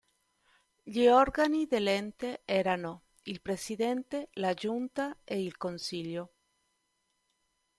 Gli organi dell'ente erano il presidente, la giunta ed il consiglio.